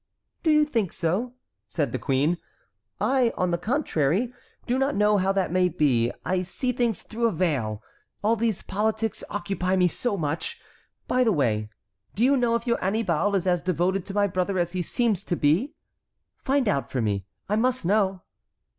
"Do you think so?" said the queen. "I, on the contrary, do not know how that may be; I see things through a veil. All these politics occupy me so much. By the way, do you know if your Annibal is as devoted to my brother as he seems to be? Find out for me. I must know."